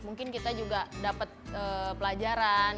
mungkin kita juga dapat pelajaran